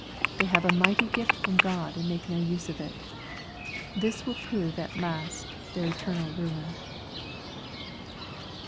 They have a mighty gift from God, and make no use of it. This will prove at last their eternal ruin.